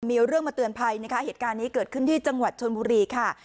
มีเรื่องมาเตือนภัยนะคะเหตุการณ์นี้เกิดขึ้นที่จังหวัดชนบุรีค่ะ